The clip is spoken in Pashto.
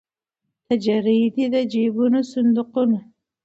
تجرۍ دي که جېبونه صندوقونه